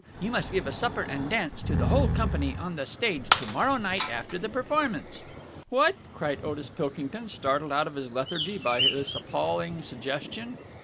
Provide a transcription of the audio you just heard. You must give a supper and dance to the whole company on the stage to morrow night after the performance." "What!" cried Otis Pilkington, startled out of his lethargy by this appalling suggestion.